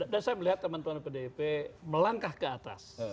dan saya melihat teman teman pdip melangkah ke atas